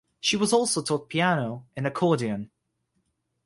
She was also taught piano and accordion.